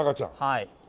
はい。